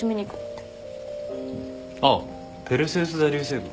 あっペルセウス座流星群。